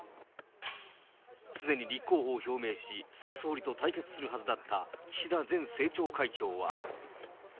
すでに立候補を表明し、菅総理と対決するはずだった岸田前政調会長は。